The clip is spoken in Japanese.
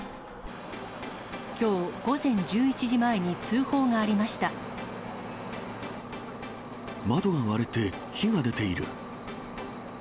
きょう午前１１時前に通報があり窓が割れて、火が出ている。